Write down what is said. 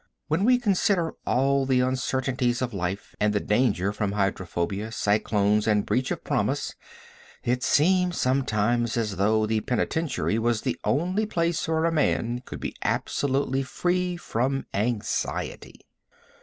When we consider all the uncertainties of life, and the danger from hydrophobia, cyclones and breach of promise, it seems sometimes as though the penitentiary was the only place where a man could be absolutely free from anxiety.